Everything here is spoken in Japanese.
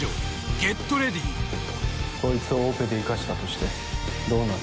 こいつをオペで生かしたとしてどうなる？